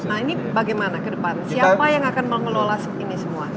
nah ini bagaimana ke depan siapa yang akan mengelola ini semua